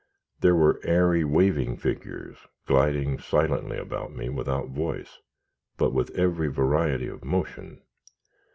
There were airy, waving figures gliding silently about me without voice, but with every variety of motion.